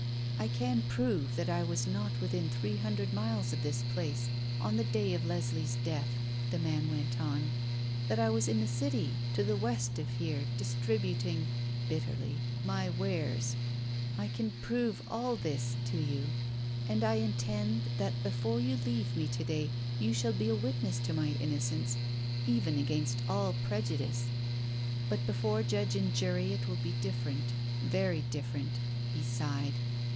"I can prove that I was not within three hundred miles of this place on the day of Leslie's death," the man went on. "That I was in a city to the west of here distributing" bitterly "my wares. I can prove all this to you. And I intend that before you leave me to day you shall be a witness to my innocence, even against all prejudice. But before judge and jury it will be different very different." He sighed.